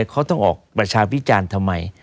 เขาต้องออกประชาพิจารณ์ทำไม